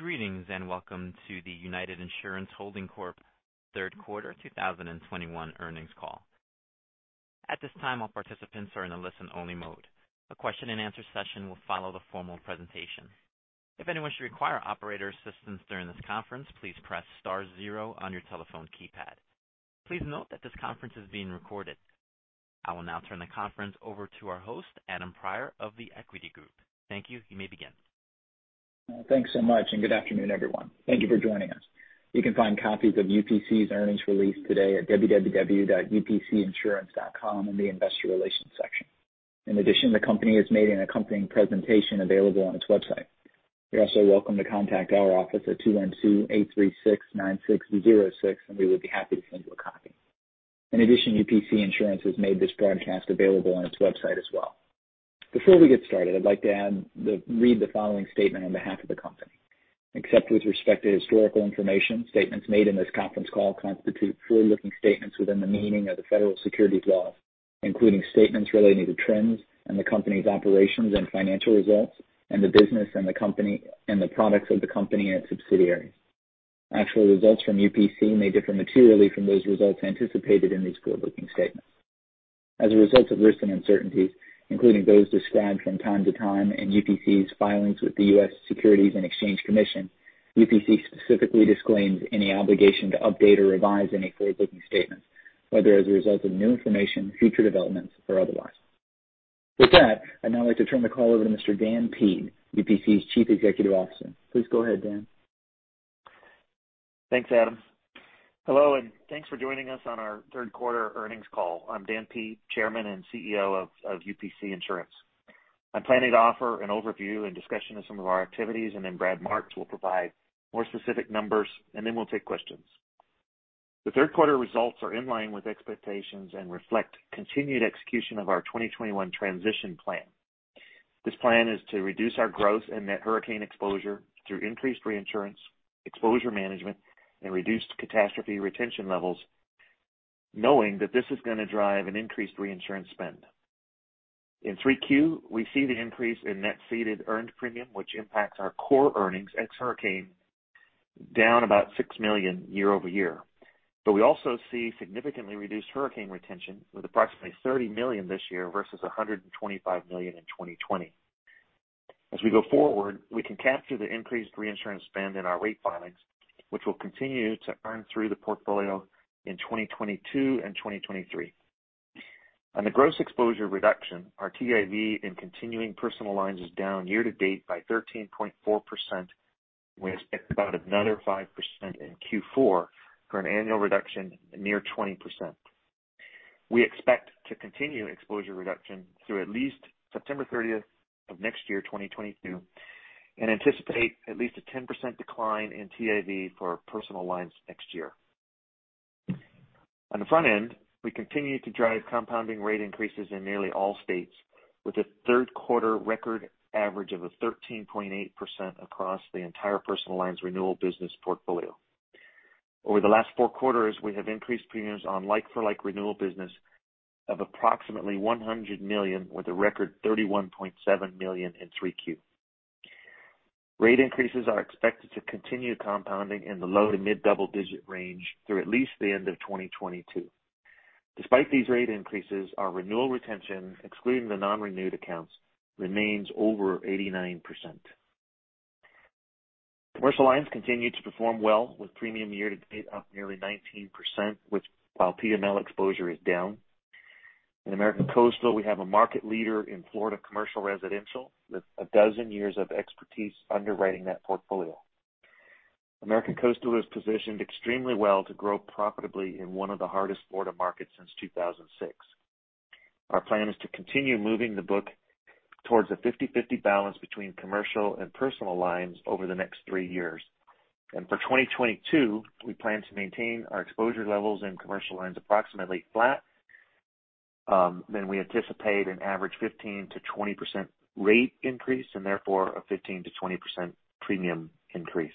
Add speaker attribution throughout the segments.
Speaker 1: Greetings, and welcome to the United Insurance Holdings Corp. Q3 2021 Earnings Call. At this time, all participants are in a listen-only mode. A question and answer session will follow the formal presentation. If anyone should require operator assistance during this conference, please press star zero on your telephone keypad. Please note that this conference is being recorded. I will now turn the conference over to our host, Adam Prior of The Equity Group. Thank you. You may begin.
Speaker 2: Thanks so much, and good afternoon, everyone. Thank you for joining us. You can find copies of UPC's earnings release today at www.upcinsurance.com in the investor relations section. In addition, the company has made an accompanying presentation available on its website. You're also welcome to contact our office at 212-836-9606, and we would be happy to send you a copy. In addition, UPC Insurance has made this broadcast available on its website as well. Before we get started, I'd like to read the following statement on behalf of the company. Except with respect to historical information, statements made in this conference call constitute forward-looking statements within the meaning of the federal securities laws, including statements relating to trends and the company's operations and financial results and the business and the company and the products of the company and its subsidiaries. Actual results from UPC may differ materially from those results anticipated in these forward-looking statements. As a result of risks and uncertainties, including those described from time to time in UPC's filings with the U.S. Securities and Exchange Commission, UPC specifically disclaims any obligation to update or revise any forward-looking statements, whether as a result of new information, future developments, or otherwise. With that, I'd now like to turn the call over to Mr. Dan Peed, UPC's Chief Executive Officer. Please go ahead, Dan.
Speaker 3: Thanks, Adam. Hello, and thanks for joining us on our Q3 Earnings Call. I'm Dan Peed, Chairman and CEO of UPC Insurance. I'm planning to offer an overview and discussion of some of our activities, and then Brad Martz will provide more specific numbers, and then we'll take questions. The Q3 results are in line with expectations and reflect continued execution of our 2021 transition plan. This plan is to reduce our growth and net hurricane exposure through increased reinsurance, exposure management, and reduced catastrophe retention levels, knowing that this is gonna drive an increased reinsurance spend. In Q3, we see the increase in net ceded earned premium, which impacts our core earnings ex hurricane down about $6 million year over year. We also see significantly reduced hurricane retention with approximately $30 million this year versus $125 million in 2020. As we go forward, we can capture the increased reinsurance spend in our rate filings, which will continue to earn through the portfolio in 2022 and 2023. On the gross exposure reduction, our TIV in continuing personal lines is down year to date by 13.4%. We expect about another 5% in Q4 for an annual reduction near 20%. We expect to continue exposure reduction through at least September 30 of next year, 2022, and anticipate at least a 10% decline in TIV for personal lines next year. On the front end, we continue to drive compounding rate increases in nearly all states with a Q3 record average of a 13.8% across the entire personal lines renewal business portfolio. Over the last four quarters, we have increased premiums on like-for-like renewal business of approximately $100 million, with a record $31.7 million in 3Q. Rate increases are expected to continue compounding in the low- to mid-double-digit range through at least the end of 2022. Despite these rate increases, our renewal retention, excluding the non-renewed accounts, remains over 89%. Commercial lines continue to perform well with premium year-to-date up nearly 19%, while P&L exposure is down. In American Coastal, we are a market leader in Florida commercial residential with a dozen years of expertise underwriting that portfolio. American Coastal is positioned extremely well to grow profitably in one of the hardest Florida markets since 2006. Our plan is to continue moving the book towards a 50/50 balance between commercial and personal lines over the next three years. For 2022, we plan to maintain our exposure levels in commercial lines approximately flat. Then we anticipate an average 15%-20% rate increase and therefore a 15%-20% premium increase.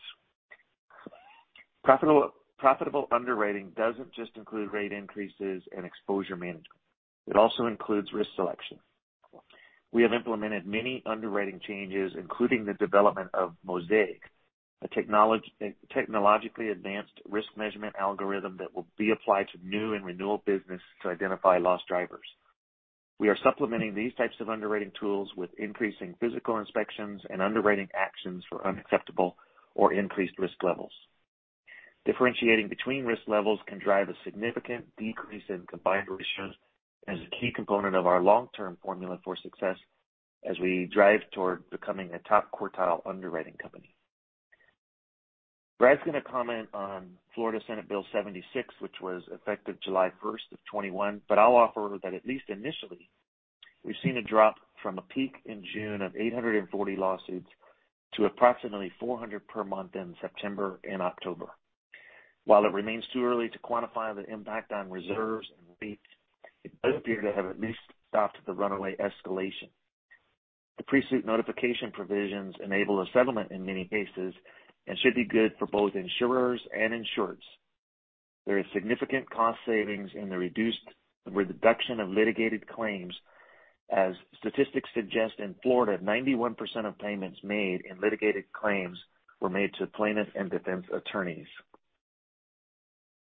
Speaker 3: Profitable underwriting doesn't just include rate increases and exposure management. It also includes risk selection. We have implemented many underwriting changes, including the development of Mosaic, a technologically advanced risk measurement algorithm that will be applied to new and renewal business to identify loss drivers. We are supplementing these types of underwriting tools with increasing physical inspections and underwriting actions for unacceptable or increased risk levels. Differentiating between risk levels can drive a significant decrease in combined ratios as a key component of our long-term formula for success as we drive toward becoming a top quartile underwriting company. Brad's gonna comment on Florida Senate Bill 76, which was effective July 1, 2021, but I'll offer that at least initially, we've seen a drop from a peak in June of 840 lawsuits to approximately 400 per month in September and October. While it remains too early to quantify the impact on reserves and rates, it does appear to have at least stopped the runaway escalation. The pre-suit notification provisions enable a settlement in many cases and should be good for both insurers and insureds. There is significant cost savings in the reduction of litigated claims, as statistics suggest in Florida, 91% of payments made in litigated claims were made to plaintiff and defense attorneys.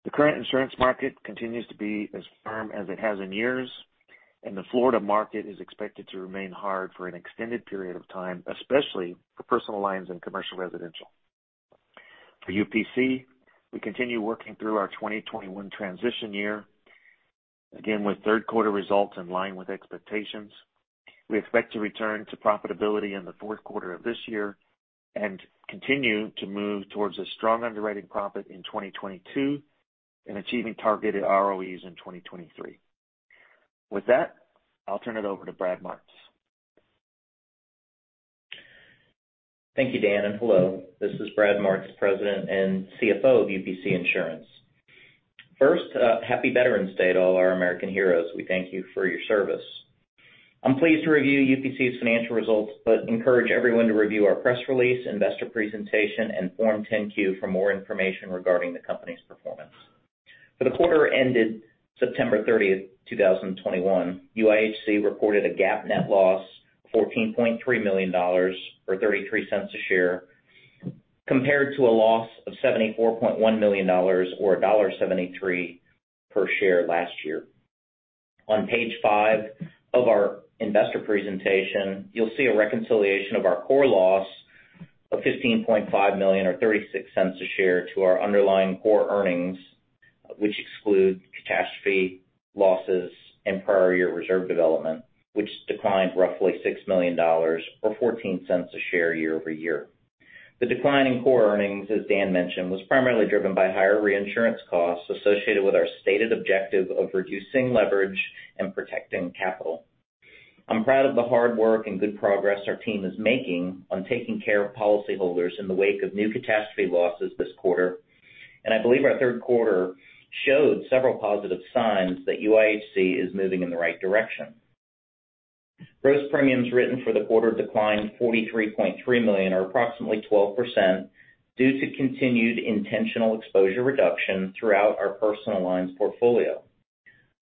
Speaker 3: The current insurance market continues to be as firm as it has in years, and the Florida market is expected to remain hard for an extended period of time, especially for personal lines and commercial residential. For UPC, we continue working through our 2021 transition year, again, with Q3 results in line with expectations. We expect to return to profitability in the Q4 of this year and continue to move towards a strong underwriting profit in 2022 and achieving targeted ROEs in 2023. With that, I'll turn it over to Brad Martz.
Speaker 4: Thank you, Dan, and hello. This is Brad Martz, President and CFO of UPC Insurance. First, Happy Veterans Day to all our American heroes. We thank you for your service. I'm pleased to review UPC's financial results, but encourage everyone to review our press release, investor presentation, and Form 10-Q for more information regarding the company's performance. For the quarter ended September 30, 2021, UIHC reported a GAAP net loss of $14.3 million, or $0.33 per share, compared to a loss of $74.1 million, or $1.73 per share last year. On page five of our investor presentation, you'll see a reconciliation of our core loss of $15.5 million or $0.36 a share to our underlying core earnings, which exclude catastrophe losses and prior year reserve development, which declined roughly $6 million, or $0.14 a share year-over-year. The decline in core earnings, as Dan mentioned, was primarily driven by higher reinsurance costs associated with our stated objective of reducing leverage and protecting capital. I'm proud of the hard work and good progress our team is making on taking care of policyholders in the wake of new catastrophe losses this quarter, and I believe our Q3 showed several positive signs that UIHC is moving in the right direction. Gross premiums written for the quarter declined $43.3 million, or approximately 12%, due to continued intentional exposure reduction throughout our personal lines portfolio.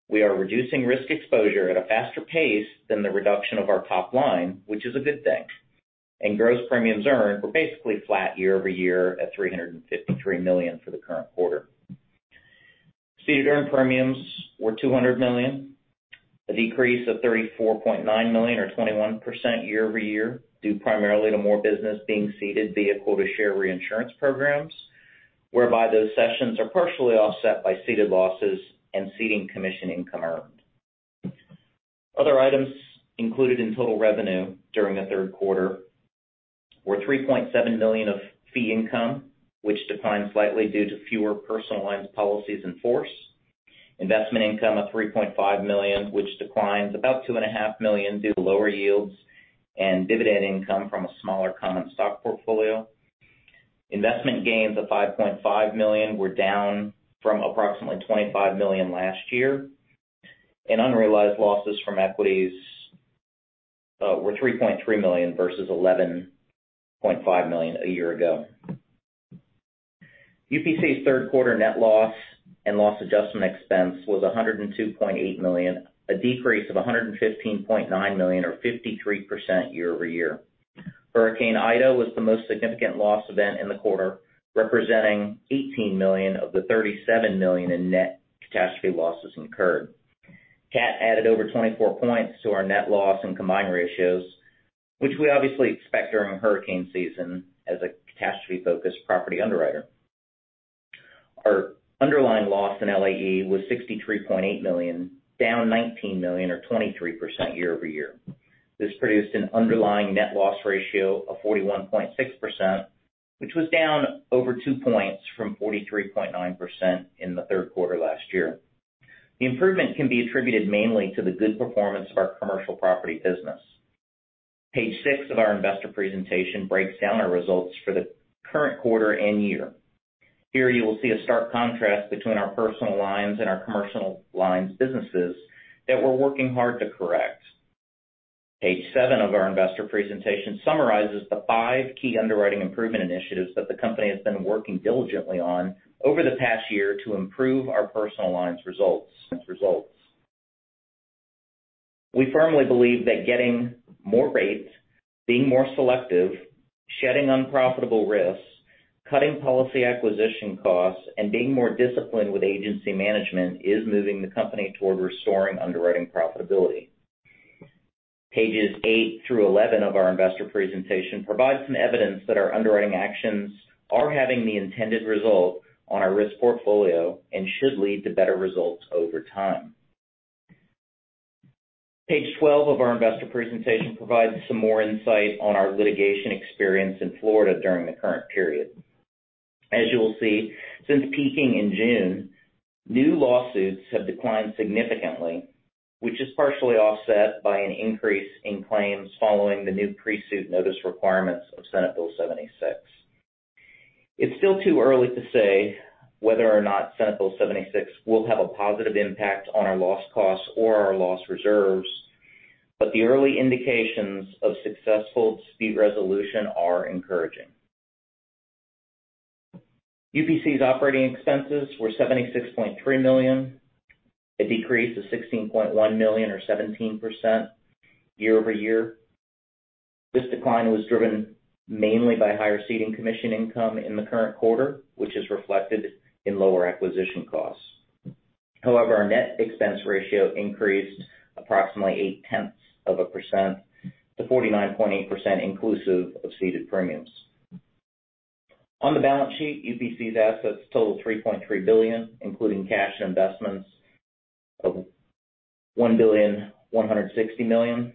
Speaker 4: We are reducing risk exposure at a faster pace than the reduction of our top line, which is a good thing. Gross premiums earned were basically flat year-over-year at $353 million for the current quarter. Ceded earned premiums were $200 million, a decrease of $34.9 million or 21% year-over-year, due primarily to more business being ceded via quota share reinsurance programs, whereby those cessions are partially offset by ceded losses and ceding commission income earned. Other items included in total revenue during the Q3 were $3.7 million of fee income, which declined slightly due to fewer personal lines policies in force. Investment income of $3.5 million, which declines about $2.5 million due to lower yields and dividend income from a smaller common stock portfolio. Investment gains of $5.5 million were down from approximately $25 million last year. Unrealized losses from equities were $3.3 million versus $11.5 million a year ago. UPC's Q3 net loss and loss adjustment expense was $102.8 million, a decrease of $115.9 million or 53% year-over-year. Hurricane Ida was the most significant loss event in the quarter, representing $18 million of the $37 million in net catastrophe losses incurred. Cat added over 24 points to our net loss and combined ratios, which we obviously expect during hurricane season as a catastrophe-focused property underwriter. Our underlying loss in LAE was $63.8 million, down $19 million or 23% year-over-year. This produced an underlying net loss ratio of 41.6%, which was down over two points from 43.9% in the Q3 last year. The improvement can be attributed mainly to the good performance of our commercial property business. Page six of our investor presentation breaks down our results for the current quarter and year. Here, you will see a stark contrast between our personal lines and our commercial lines businesses that we're working hard to correct. Page seven of our investor presentation summarizes the 5 key underwriting improvement initiatives that the company has been working diligently on over the past year to improve our personal lines results. We firmly believe that getting more rates, being more selective, shedding unprofitable risks, cutting policy acquisition costs, and being more disciplined with agency management is moving the company toward restoring underwriting profitability. Pages 8 through 11 of our investor presentation provide some evidence that our underwriting actions are having the intended result on our risk portfolio and should lead to better results over time. Page 12 of our investor presentation provides some more insight on our litigation experience in Florida during the current period. As you will see, since peaking in June, new lawsuits have declined significantly, which is partially offset by an increase in claims following the new pre-suit notice requirements of Senate Bill 76. It's still too early to say whether or not Senate Bill 76 will have a positive impact on our loss costs or our loss reserves. The early indications of successful speedy resolution are encouraging. UPC's operating expenses were $76.3 million. It decreased to $16.1 million or 17% year-over-year. This decline was driven mainly by higher ceding commission income in the current quarter, which is reflected in lower acquisition costs. However, our net expense ratio increased approximately 0.8% to 49.8% inclusive of ceded premiums. On the balance sheet, UPC's assets total $3.3 billion, including cash and investments of $1.16 billion.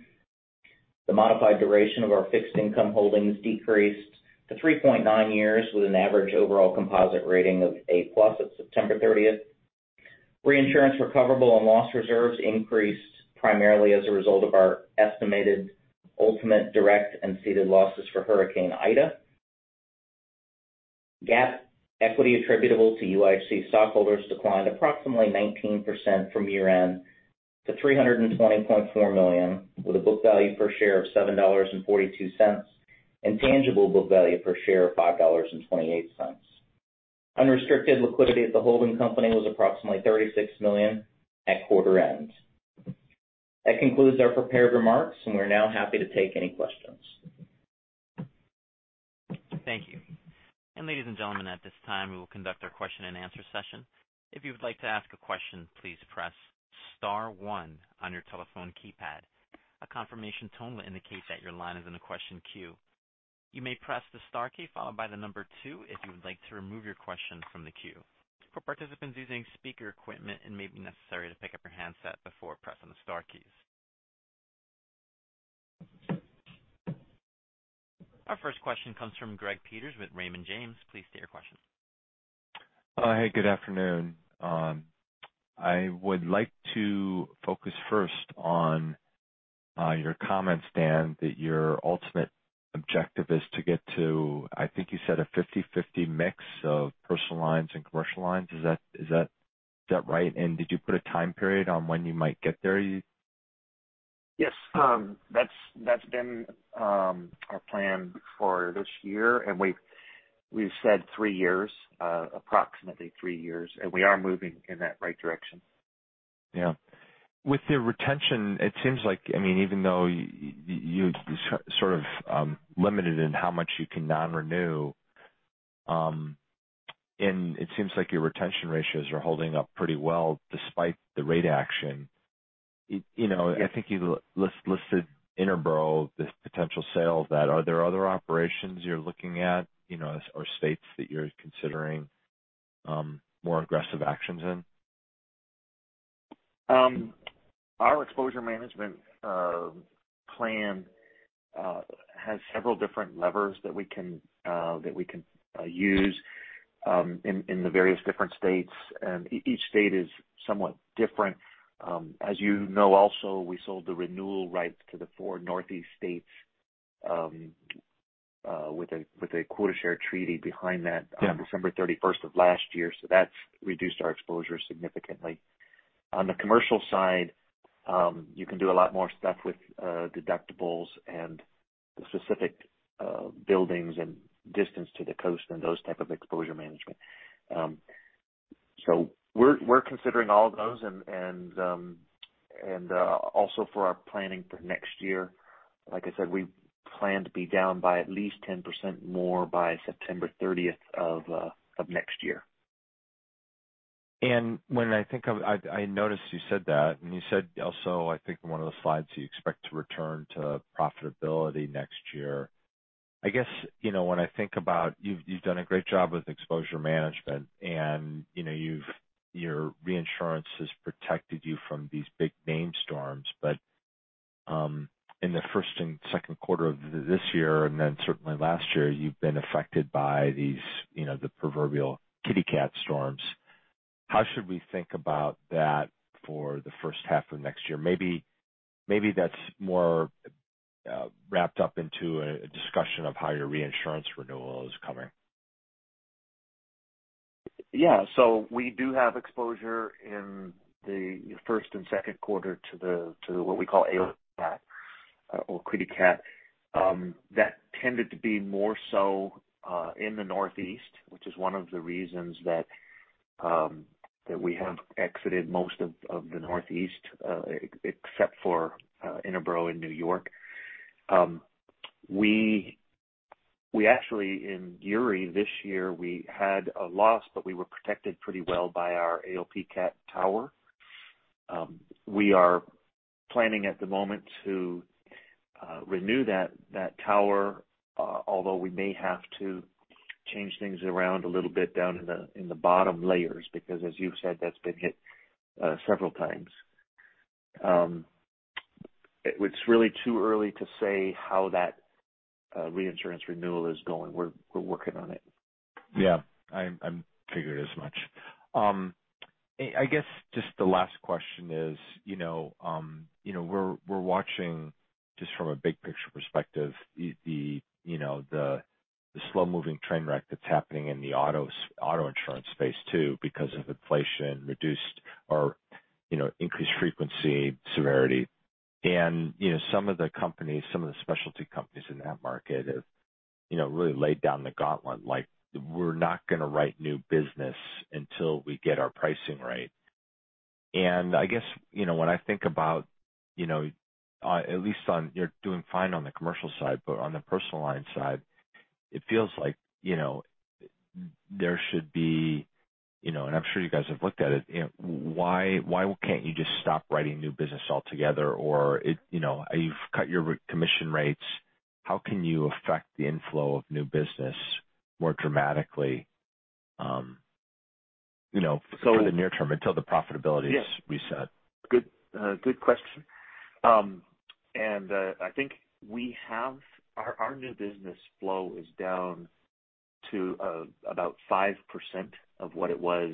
Speaker 4: The modified duration of our fixed income holdings decreased to 3.9 years with an average overall composite rating of A+ at September 30. Reinsurance recoverable on loss reserves increased primarily as a result of our estimated ultimate direct and ceded losses for Hurricane Ida. GAAP equity attributable to UIHC stockholders declined approximately 19% from year-end to $320.4 million, with a book value per share of $7.42, and tangible book value per share of $5.28. Unrestricted liquidity at the holding company was approximately $36 million at quarter end. That concludes our prepared remarks, and we're now happy to take any questions.
Speaker 1: Thank you. Ladies and gentlemen, at this time, we will conduct our question-and-answer session. If you would like to ask a question, please press star one on your telephone keypad. A confirmation tone will indicate that your line is in the question queue. You may press the star key followed by the number two if you would like to remove your question from the queue. For participants using speaker equipment, it may be necessary to pick up your handset before pressing the star keys. Our first question comes from Greg Peters with Raymond James. Please state your question.
Speaker 5: Hey, good afternoon. I would like to focus first on your comment, Dan, that your ultimate objective is to get to, I think you said a 50/50 mix of personal lines and commercial lines. Is that right? Did you put a time period on when you might get there?
Speaker 3: Yes. That's been our plan for this year. We've said three years, approximately three years, and we are moving in that right direction.
Speaker 5: Yeah. With the retention, it seems like, I mean, even though you sort of limited in how much you can non-renew, and it seems like your retention ratios are holding up pretty well despite the rate action. You know, I think you listed Interborough, this potential sale that. Are there other operations you're looking at, you know, or states that you're considering more aggressive actions in?
Speaker 3: Our exposure management plan has several different levers that we can use in the various different states. Each state is somewhat different. As you know, also, we sold the renewal rights to the four Northeast states with a quota share treaty behind that.
Speaker 5: Yeah.
Speaker 3: On December thirty-first of last year, so that's reduced our exposure significantly. On the commercial side, you can do a lot more stuff with deductibles and specific buildings and distance to the coast and those type of exposure management. So we're considering all of those and also for our planning for next year, like I said, we plan to be down by at least 10% more by September thirtieth of next year.
Speaker 5: I noticed you said that and you said also, I think in one of the slides, you expect to return to profitability next year. I guess, you know, when I think about you've done a great job with exposure management and, you know, your reinsurance has protected you from these big name storms. But in the first and Q2 of this year, and then certainly last year, you've been affected by these, you know, the proverbial kitty cat storms. How should we think about that for the first half of next year? Maybe that's more wrapped up into a discussion of how your reinsurance renewal is coming.
Speaker 3: Yeah. We do have exposure in the first and Q2 to what we call AOP cat or kitty cat. That tended to be more so in the Northeast, which is one of the reasons that we have exited most of the Northeast except for Interboro in New York. We actually in Uri this year had a loss, but we were protected pretty well by our AOP cat tower. We are planning at the moment to renew that tower although we may have to change things around a little bit down in the bottom layers because as you've said, that's been hit several times. It's really too early to say how that reinsurance renewal is going. We're working on it.
Speaker 5: Yeah. I figured as much. I guess just the last question is, you know, we're watching. Just from a big picture perspective, the slow-moving train wreck that's happening in the auto insurance space too, because of inflation reduced or increased frequency severity. You know, some of the companies, some of the specialty companies in that market have really laid down the gauntlet, like we're not gonna write new business until we get our pricing right. I guess, you know, when I think about, you know, at least on your end you're doing fine on the commercial side, but on the personal line side, it feels like, you know, there should be, you know, and I'm sure you guys have looked at it. You know, why can't you just stop writing new business altogether? Or, you know, you've cut your commission rates. How can you affect the inflow of new business more dramatically, you know?
Speaker 3: So-
Speaker 5: for the near term until the profitability.
Speaker 3: Yes.
Speaker 5: Is reset?
Speaker 3: Good question. I think our new business flow is down to about 5% of what it was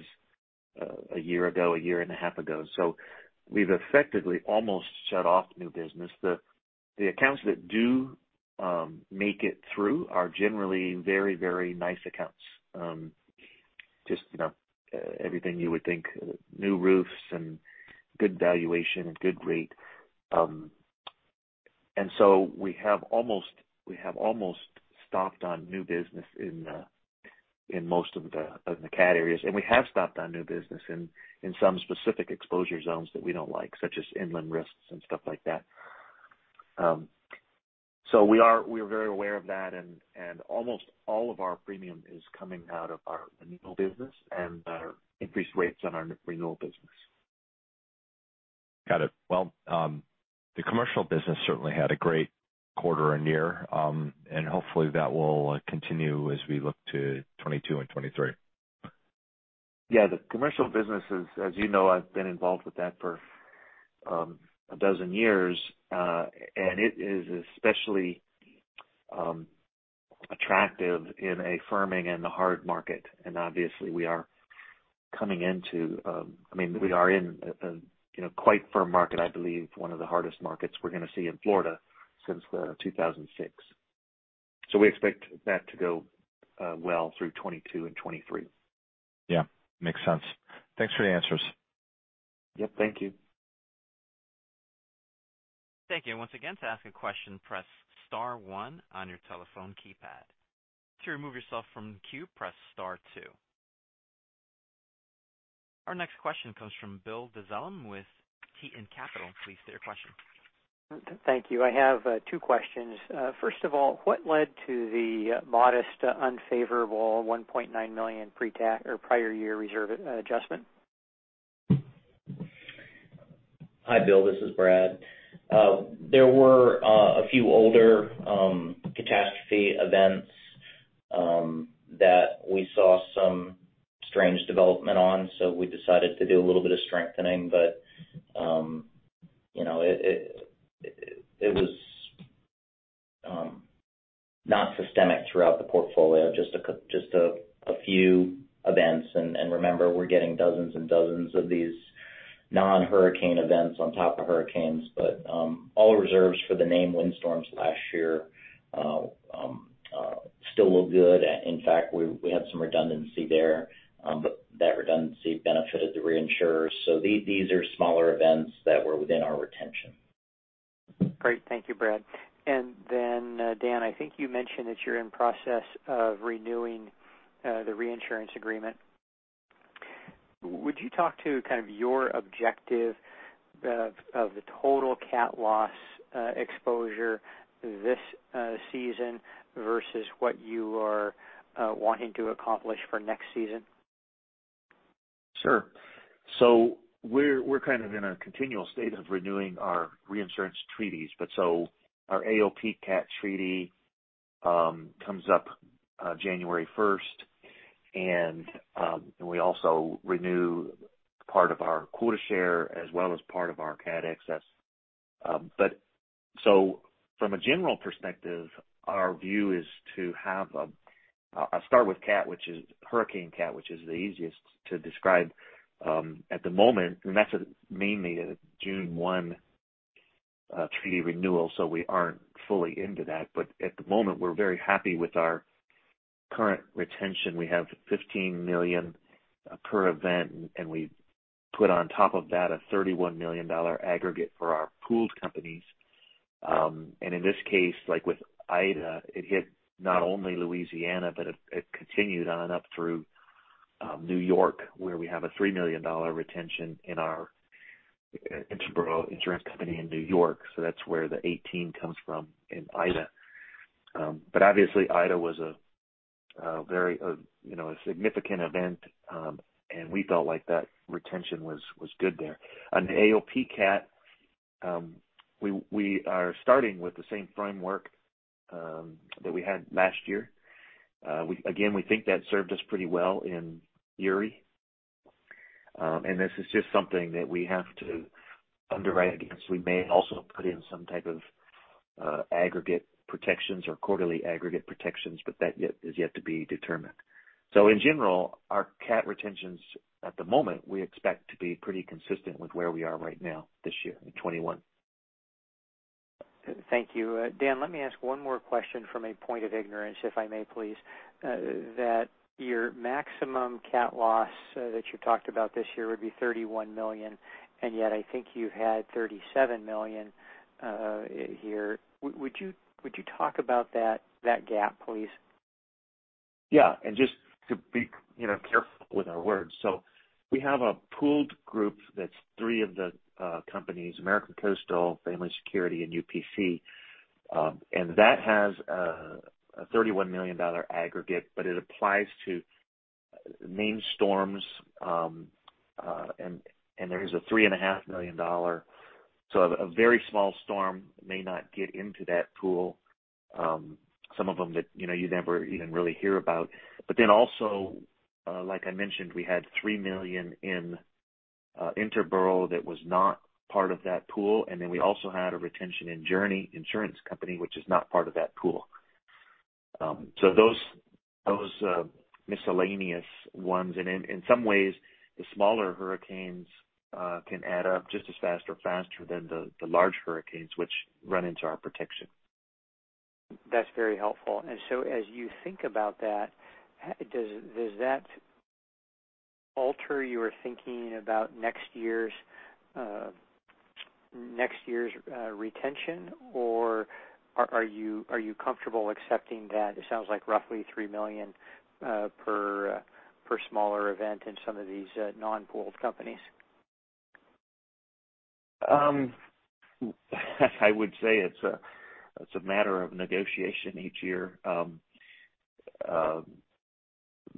Speaker 3: a year ago, a year and a half ago. We've effectively almost shut off new business. The accounts that do make it through are generally very nice accounts. Just you know everything you would think, new roofs and good valuation and good rate. We have almost stopped on new business in most of the cat areas. We have stopped on new business in some specific exposure zones that we don't like, such as inland risks and stuff like that. We're very aware of that and almost all of our premium is coming out of our renewal business and our increased rates on our renewal business.
Speaker 5: Got it. Well, the commercial business certainly had a great quarter and year, and hopefully that will continue as we look to 2022 and 2023.
Speaker 3: Yeah. The commercial business is as you know, I've been involved with that for 12 years, and it is especially attractive in a firming and the hard market. Obviously I mean, we are in a you know, quite firm market, I believe one of the hardest markets we're gonna see in Florida since 2006. We expect that to go well through 2022 and 2023.
Speaker 5: Yeah. Makes sense. Thanks for the answers.
Speaker 3: Yep. Thank you.
Speaker 1: Thank you. Once again, to ask a question, press star one on your telephone keypad. To remove yourself from the queue, press star two. Our next question comes from Bill Dezellem with Tieton Capital Management. Please state your question.
Speaker 6: Thank you. I have two questions. First of all, what led to the modest unfavorable $1.9 million pre-tax prior-year reserve adjustment?
Speaker 4: Hi, Bill. This is Brad. There were a few older catastrophe events that we saw some strange development on, so we decided to do a little bit of strengthening. You know, it was not systemic throughout the portfolio, just a few events. Remember, we're getting dozens and dozens of these non-hurricane events on top of hurricanes. All reserves for the named windstorms last year still look good. In fact, we had some redundancy there, but that redundancy benefited the reinsurers. These are smaller events that were within our retention.
Speaker 6: Great. Thank you, Brad. Dan, I think you mentioned that you're in the process of renewing the reinsurance agreement. Would you talk about kind of your objective of the total cat loss exposure this season versus what you are wanting to accomplish for next season?
Speaker 3: Sure. We're kind of in a continual state of renewing our reinsurance treaties. Our AOP cat treaty comes up January 1, and we also renew part of our quota share as well as part of our cat excess. From a general perspective, our view is to have a. I'll start with cat, which is hurricane cat, which is the easiest to describe at the moment, and that's mainly a June 1 treaty renewal, so we aren't fully into that. At the moment, we're very happy with our current retention. We have $15 million per event, and we put on top of that a $31 million aggregate for our pooled companies. In this case, like with Ida, it hit not only Louisiana, but it continued on and up through New York, where we have a $3 million retention in our Interboro Insurance Company in New York. That's where the $18 million comes from in Ida. Obviously, Ida was a very, you know, a significant event, and we felt like that retention was good there. On the AOP cat, we are starting with the same framework that we had last year. Again, we think that served us pretty well in Winter Storm Uri. This is just something that we have to underwrite against. We may also put in some type of aggregate protections or quarterly aggregate protections, but that is yet to be determined. In general, our cat retentions at the moment, we expect to be pretty consistent with where we are right now this year in 2021.
Speaker 6: Thank you. Dan, let me ask one more question from a point of ignorance, if I may please. That your maximum cat loss that you talked about this year would be $31 million, and yet I think you had $37 million here. Would you talk about that gap, please?
Speaker 3: Yeah. Just to be, you know, careful with our words. We have a pooled group that's three of the companies, American Coastal, Family Security and UPC, and that has a $31 million aggregate, but it applies to named storms, and there is a $3.5 million. A very small storm may not get into that pool, some of them that, you know, you never even really hear about. Like I mentioned, we had $3 million in Interboro that was not part of that pool. We also had a retention in Journey Insurance Company, which is not part of that pool. Those miscellaneous ones and in some ways, the smaller hurricanes can add up just as fast or faster than the large hurricanes which run into our protection.
Speaker 6: That's very helpful. As you think about that, does that alter your thinking about next year's retention or are you comfortable accepting that it sounds like roughly $3 million per smaller event in some of these non-pooled companies?
Speaker 3: I would say it's a matter of negotiation each year.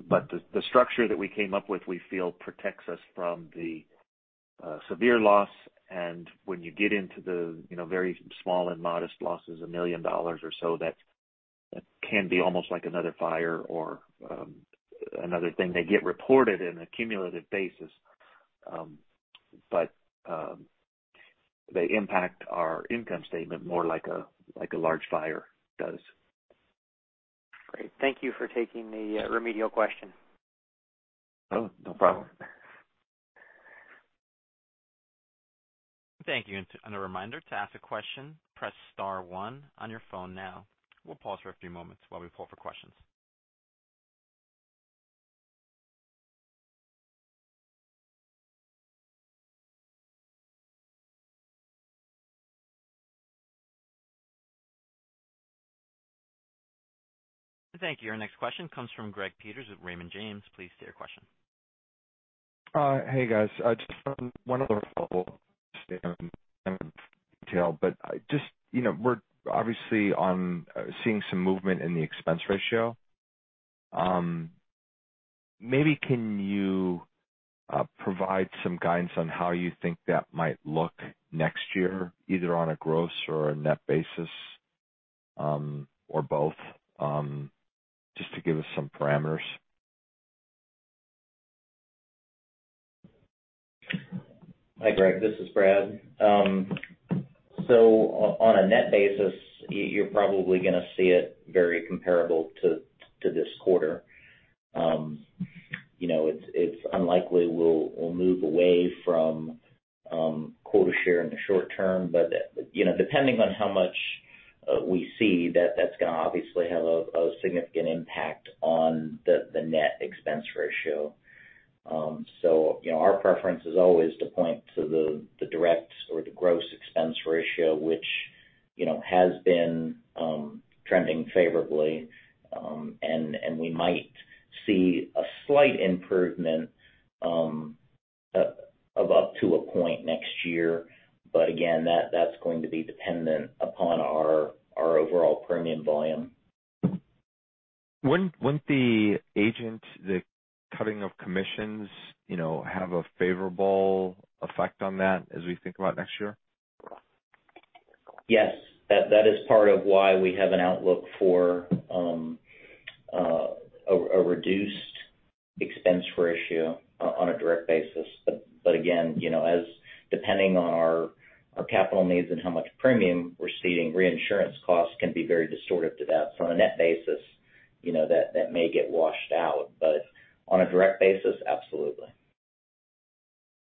Speaker 3: But the structure that we came up with, we feel protects us from the severe loss. When you get into the, you know, very small and modest losses, $1 million or so, that can be almost like another fire or another thing. They get reported on a cumulative basis, but they impact our income statement more like a large fire does.
Speaker 6: Great. Thank you for taking the, remedial question.
Speaker 3: Oh, no problem.
Speaker 1: Thank you. A reminder to ask a question, press star one on your phone now. We'll pause for a few moments while we poll for questions. Thank you. Our next question comes from Greg Peters with Raymond James. Please state your question.
Speaker 5: Hey, guys. Just one other follow-up detail, but just, you know, we're obviously seeing some movement in the expense ratio. Maybe can you provide some guidance on how you think that might look next year, either on a gross or a net basis, or both? Just to give us some parameters.
Speaker 4: Hi, Greg. This is Brad. On a net basis, you're probably gonna see it very comparable to this quarter. You know, it's unlikely we'll move away from quota share in the short term. You know, depending on how much we see, that's gonna obviously have a significant impact on the net expense ratio. You know, our preference is always to point to the direct or the gross expense ratio, which you know, has been trending favorably. We might see a slight improvement of up to a point next year. Again, that's going to be dependent upon our overall premium volume.
Speaker 5: Wouldn't the cutting of commissions, you know, have a favorable effect on that as we think about next year?
Speaker 4: Yes. That is part of why we have an outlook for a reduced expense ratio on a direct basis. Again, you know, as depending on our capital needs and how much premium we're ceding, reinsurance costs can be very distortive to that. On a net basis, you know, that may get washed out, but on a direct basis, absolutely.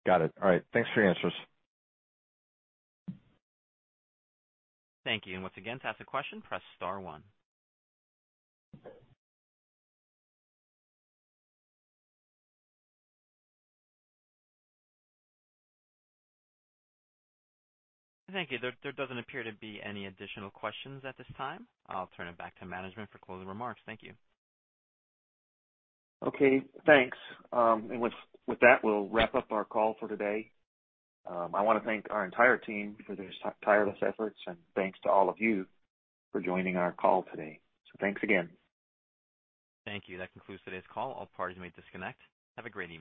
Speaker 5: Got it. All right. Thanks for your answers.
Speaker 1: Thank you. Once again, to ask a question, press star one. Thank you. There doesn't appear to be any additional questions at this time. I'll turn it back to management for closing remarks. Thank you.
Speaker 3: Okay, thanks. And with that, we'll wrap up our call for today. I wanna thank our entire team for their tireless efforts, and thanks to all of you for joining our call today. Thanks again.
Speaker 1: Thank you. That concludes today's call. All parties may disconnect. Have a great evening.